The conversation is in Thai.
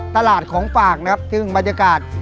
ตลาดของฝากนะครับซึ่งบรรยากาศ